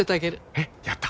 えっやった！